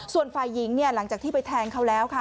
ส่วนฝ่ายหญิงหลังจากที่ไปแทงเขาแล้วค่ะ